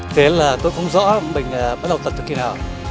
thế là tôi không rõ mình bắt đầu tập từ khi nào